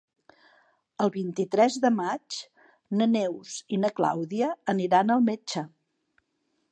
El vint-i-tres de maig na Neus i na Clàudia aniran al metge.